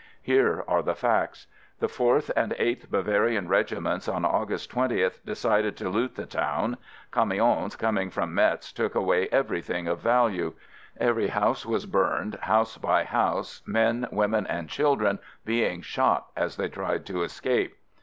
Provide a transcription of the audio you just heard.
Here are the facts. The Fourth and Eighth Bavarian regi ments, on August 20, decided to loot the town. Camions coming from Metz took away everything of value. Every house was burned, house by house, men, women and children being shot as they tried to escape.